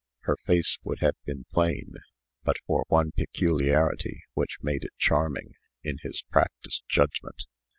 Her face would have been plain, but for one peculiarity which made it charming, in his practised judgment.